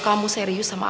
kamu serius sama aku